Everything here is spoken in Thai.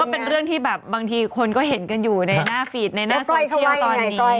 เป็นเรื่องที่แบบบางทีคนก็เห็นกันอยู่ในหน้าฟีดในหน้าโซเชียลตอนนี้